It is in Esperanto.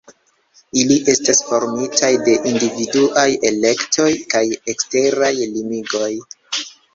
Ili estas formitaj de individuaj elektoj kaj eksteraj limigoj.